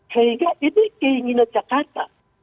sehingga ini keinginan jakarta